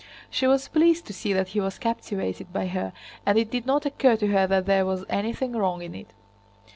She was pleased to see that he was captivated by her and it did not occur to her that there was anything wrong in it.